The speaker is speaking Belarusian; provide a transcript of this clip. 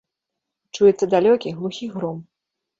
Чуецца далёкі, глухі гром.